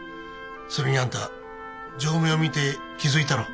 それにあんた錠前を見て気付いたろ。